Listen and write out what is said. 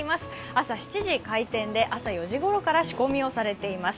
朝７時開店で朝４時ごろから仕込みをされています。